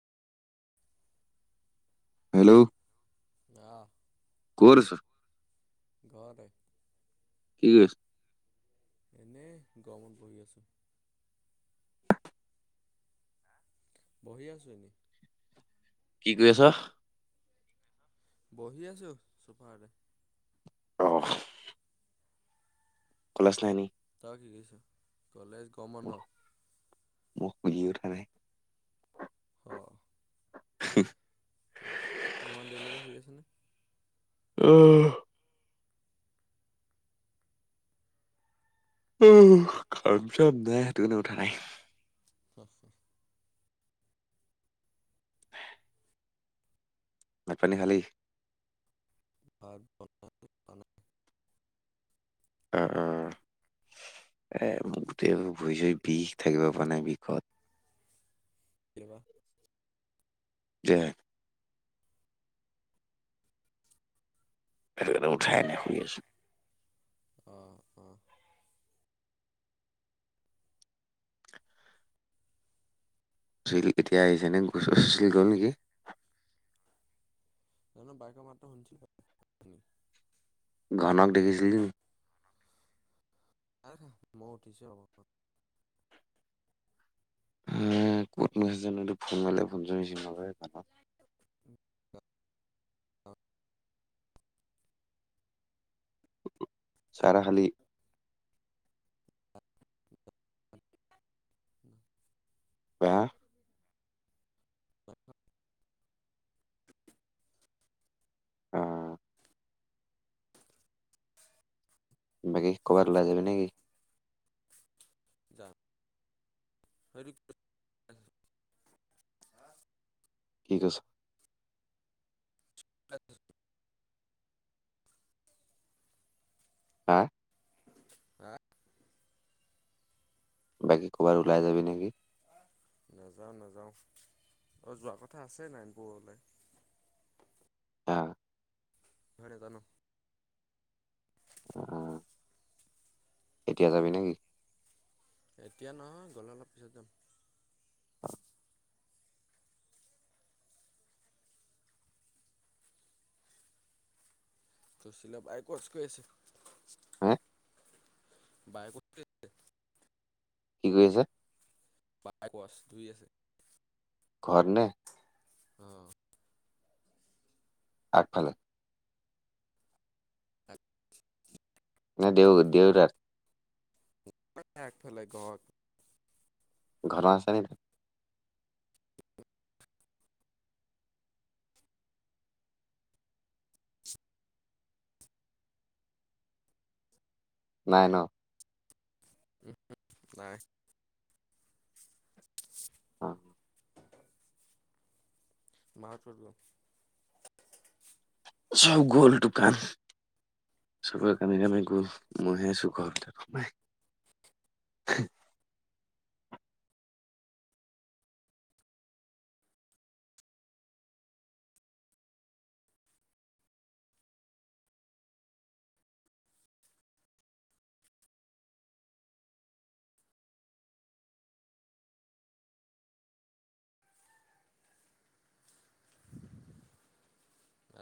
Hello? অ'। ক'ত আছ? ঘৰতে। কি কৰিছ? এনেই গৰমত বহি আছোঁ। বহি আছো এনেই। কি কৰি আছ? বহি আছোঁ চোফাৰতে। অ'। কলেজ নাই নেকি? তই কি কৰিছ? কলেজ গৰম বন্ধ। শুয়েই উঠা নাই। অ'। ইমান দেৰিলেকে শুই আছনে? অ'। কাম-চাম নাই সেইটো কৰণে উঠা নাই। [unintelligible] [inaudible] ভাঁত, পানী খালি? ভাত বনাই খানা অ', অ', এ মোৰ গোটেই এইবোৰ ভৰি-ছৰি বিষ থাকিব পৰা নাই বিষত। কেইলে বা? [unintelligible] সেইটোকৰণে উঠাই নাই শুই আছোঁ। অ', অ'। চুছিল এতিয়া আহিছেনে, চুছিল গ'ল নেকি? জানো বাইকৰ মাতটো শুনিছিলো। অথনি। ঘনক দেখিছিলি? নাই দেখা, মইও উঠিচুহে অলপ আগত। উম, ক'ত [unintelligible] জানো এইটো ফোন কৰিলে ফোন-চোন ৰিচিভ নকৰে [unintelligible] চাহ-তাহ খালি? [inaudible] বা? [unintelligible] অ'। বাকি ক'বাত ওলাই যাবি নেকি? [unintelligible] [unintelligible] হা? হা? বাকী ক'ৰবাত ওলাই যাবি নেকি? নাযাওঁ নাযাওঁ অ', যোৱা কথা আছে নাৰায়নপুৰলৈ। হা। [unintelligible] নেজানো। অ', এতিয়া যাবি না কি? এতিয়া নহয় গ'লে অলপ পিছত যাম। [unintelligible] হেঁ? বাইকত কি কৈ আছে? [unintelligible] শুই আছে। ঘৰত‌ নে? অ্ঁ আগফালে? নে দেউ দেউ-তাত? এঁ আগফালে ঘৰত। ঘৰ আছে নি? নাই ন? [unintelligible] নাই। অঁ [unintelligible] চব গ'ল দোকান। চবে অ'। কামে-কামে গল। মইহে আছো ঘৰত। [unintelligible]